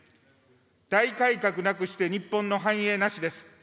大改革なくして日本の繁栄なしです。